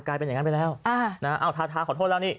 กลายเป็นอย่างนั้นไปแล้วทาทาขอโทษแล้วนี่